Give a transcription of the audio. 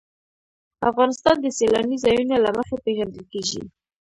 افغانستان د سیلانی ځایونه له مخې پېژندل کېږي.